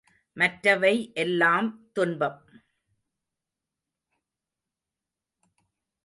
மற்றவை எல்லாம் துன்பம்.